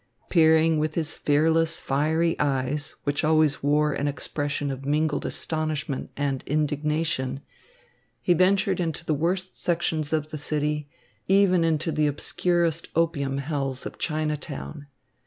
Peering with his fearless, fiery eyes, which always wore an expression of mingled astonishment and indignation, he ventured into the worst sections of the city, even into the obscurest opium hells of Chinatown.